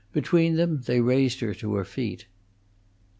Between them they raised her to her feet.